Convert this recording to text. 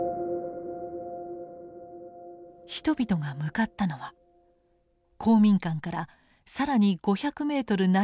人々が向かったのは公民館から更に５００メートル